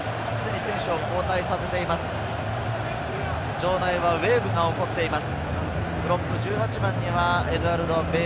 場内はウェーブが起こっています。